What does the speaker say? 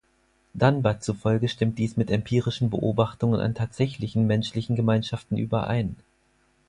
Dunbar zufolge stimmt dies mit empirischen Beobachtungen an tatsächlichen menschlichen Gemeinschaften überein.